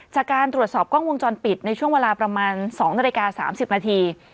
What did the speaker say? จากการตรวจสอบกล้องวงจรปิดในช่วงเวลาประมาณ๒นาฬิกา๓๐นาที